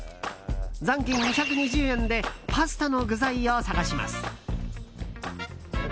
残金２２０円でパスタの具材を探します。